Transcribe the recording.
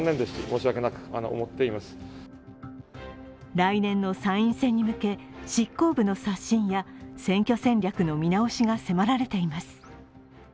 来年の参院選に向け、執行部の刷新や選挙戦略の見直しが迫られています。